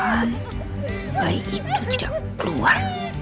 mudah mudahan bayi itu tidak keluar